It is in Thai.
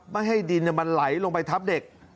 ไม่ให้ดินมันไหลลงไปทับเด็ก